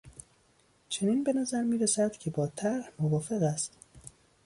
چنین به نظر میرسد که با طرح موافق است.